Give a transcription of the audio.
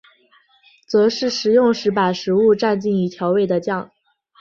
则是食用时把食物蘸进已调味的酱。